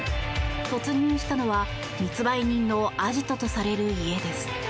突入したのは密売人のアジトとされる家です。